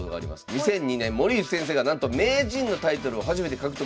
２００２年森内先生がなんと名人のタイトルを初めて獲得いたしました。